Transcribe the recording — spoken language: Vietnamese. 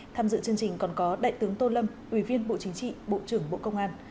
tham dự chương trình còn có đại tướng tô lâm ủy viên bộ chính trị bộ trưởng bộ công an